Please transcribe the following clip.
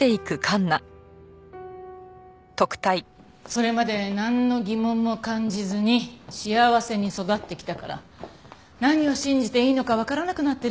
それまでなんの疑問も感じずに幸せに育ってきたから何を信じていいのかわからなくなってるんだろうね。